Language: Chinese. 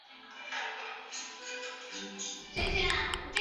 花纹爱洁蟹为扇蟹科熟若蟹亚科爱洁蟹属的动物。